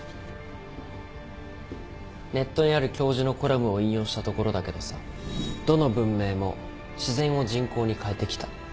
ネットにある教授のコラムを引用したところだけどさどの文明も自然を人工に変えてきた。